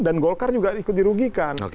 dan golkar juga ikut dirugikan